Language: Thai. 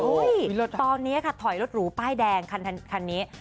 ตอนนี้ค่ะถอยรถหรูป้ายแดงคันนี้